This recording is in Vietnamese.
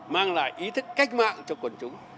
mang lại ý thức cách mạng cho quần chúng